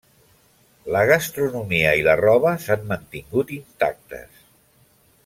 La gastronomia i la roba s'han mantingut intactes.